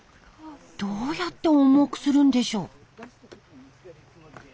どうやって重くするんでしょう？